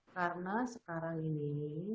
karena sekarang ini